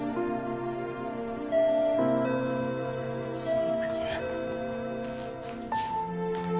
すいません